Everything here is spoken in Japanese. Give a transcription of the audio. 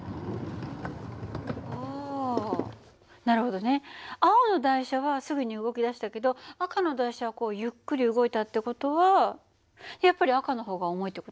あなるほどね。青の台車はすぐに動きだしたけど赤の台車はこうゆっくり動いたって事はやっぱり赤の方が重いって事？